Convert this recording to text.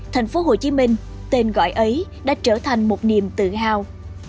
thành phố hồ chí minh tên gọi ấy đã trở thành một niềm tự hào